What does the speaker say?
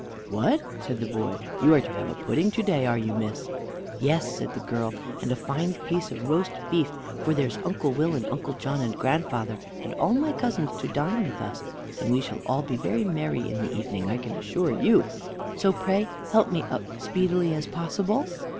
"What," said the boy, "you are to have a pudding to day, are you, miss?" "Yes," said the girl, "and a fine piece of roast beef, for there's Uncle Will, and Uncle John, and grandfather, and all my cousins, to dine with us, and we shall all be very merry in the evening, I can assure you; so pray help me up as speedily as possible."